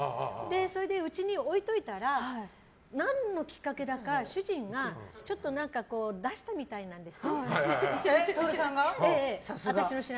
それで、うちに置いておいたら何のきっかけだか主人がちょっと出したみたいなんです。